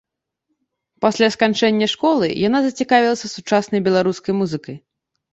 Пасля сканчэння школы яна зацікавілася сучаснай беларускай музыкай.